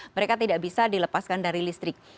mereka tidak bisa dilepaskan dari listrik